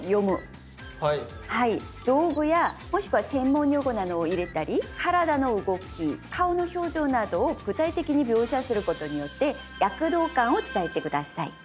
道具やもしくは専門用語などを入れたり体の動き顔の表情などを具体的に描写することによって躍動感を伝えて下さい。